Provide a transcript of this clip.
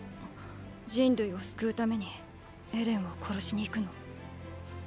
人類を救うためにエレンを殺しに行くの？